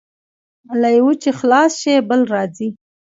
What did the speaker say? له یوه چې خلاص شې، بل راځي.